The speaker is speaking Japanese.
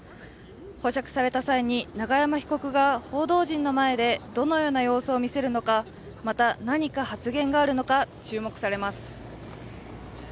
保釈された際に永山被告が報道陣の前でどのような様子を見せるのか、また、何か発言があるのか、注目されます。